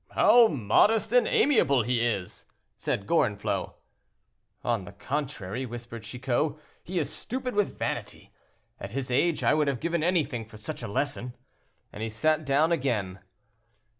"How modest and amiable he is!" said Gorenflot. "On the contrary," whispered Chicot, "he is stupid with vanity. At his age I would have given anything for such a lesson," and he sat down again.